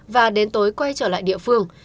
và đến tối quay trở lại địa phương